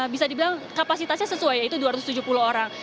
bisa dibilang kapasitasnya sesuai yaitu dua ratus tujuh puluh orang